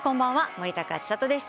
森高千里です。